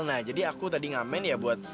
nah jadi aku tadi ngamen ya buat